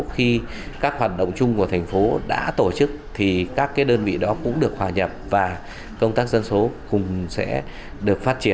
khi các hoạt động chung của thành phố đã tổ chức thì các đơn vị đó cũng được hòa nhập và công tác dân số cũng sẽ được phát triển